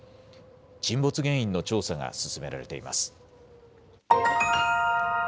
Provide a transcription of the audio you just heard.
沈没原因の調査が進められています。